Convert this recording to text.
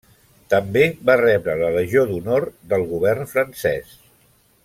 També va rebre la Legió d'Honor del govern Francès.